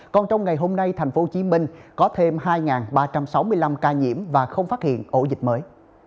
còn trong ngày hôm nay thành phố hồ chí minh có thêm hai ba trăm sáu mươi năm ca nhiễm và không phát hiện ổ dịch mới